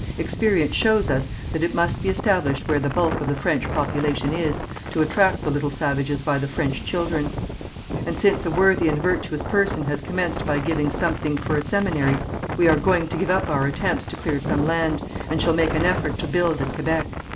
Experience shows us that it must be established where the bulk of the French population is, to attract the little savages by the French children. And, since a worthy and virtuous person has commenced by giving something for a seminary we are going to give up our attempts to clear some land, and shall make an effort to build at Kébec.